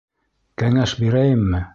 Кәңәш бирәйемме?